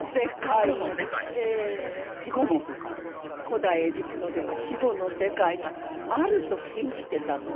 古代エジプトでは死後の世界があると信じてたの。